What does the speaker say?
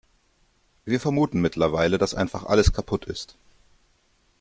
Wir vermuten mittlerweile, dass einfach alles kaputt ist.